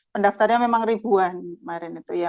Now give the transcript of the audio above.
pendaftarnya memang ribuan kemarin itu ya